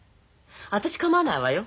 私構わないわよ